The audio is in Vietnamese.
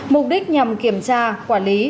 mục đích nhằm kiểm tra quản lý